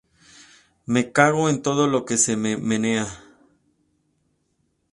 ¡Me cago en todo lo que se menea!